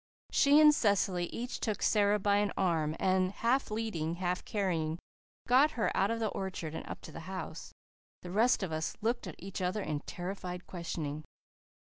She and Cecily each took Sara by an arm and, half leading, half carrying, got her out of the orchard and up to the house. The rest of us looked at each other in terrified questioning.